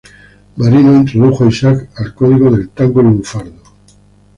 Marino introdujo a Isaac al código del tango lunfardo.